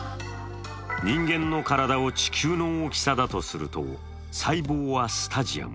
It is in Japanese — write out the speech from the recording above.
人間の体を地球の大きさだとすると細胞はスタジアム。